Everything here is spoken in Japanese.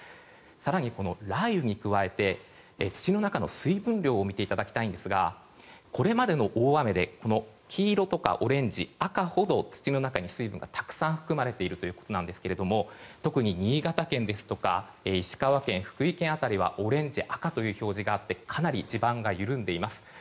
更に雷雨に加えて土の中の水分量を見ていただきたいんですがこれまでの大雨で黄色とかオレンジ、赤ほど土の中に水分がたくさん含まれているということなんですが特に新潟県ですとか石川県、福井県辺りはオレンジ、赤という表示があってかなり地盤が緩んでいます。